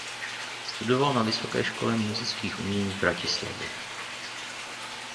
Studoval na Vysoké škole múzických umění v Bratislavě.